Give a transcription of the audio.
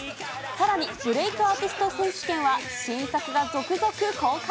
さらに、ブレイクアーティスト選手権は、新作が続々公開。